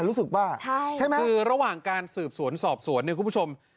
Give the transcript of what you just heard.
รู้สึกว่าคือระหว่างการสืบสวนสอบสวนเนี่ยคุณผู้ชม